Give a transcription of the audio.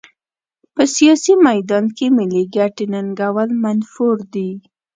په سیاسي میدان کې ملي ګټې ننګول منفور دي.